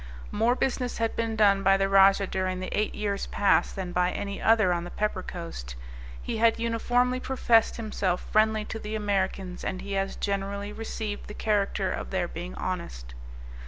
More business had been done by the rajah during the eight years past than by any other on the pepper coast; he had uniformly professed himself friendly to the Americans, and he has generally received the character of their being honest.